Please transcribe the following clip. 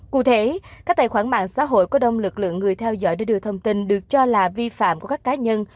cụ thể các tài khoản mạng xã hội có đông lực lượng người theo dõi để đưa thông tin được cho là vi phạm của các cá nhân